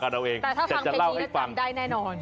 แต่ถ้าฟังเพลงนี้จำได้แน่นอน